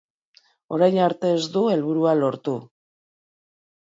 Orain arte ez du helburua lortu.